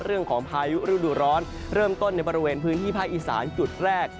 เรื่องของพายุรูดร้อนเริ่มต้นในบริเวณพื้นที่ภาคอีสานจุดแรก